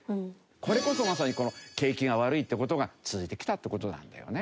これこそまさに景気が悪いっていう事が続いてきたって事なんだよね。